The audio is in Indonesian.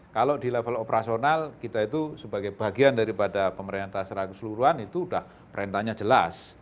kalau di level operasional kita itu sebagai bagian daripada pemerintah secara keseluruhan itu sudah perintahnya jelas